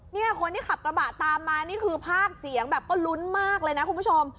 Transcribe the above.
เนี่ยคนที่ขับกระบะตามมานี่คือภาคเสียงแบบก็ลุ้นมากเลยนะคุณผู้ชม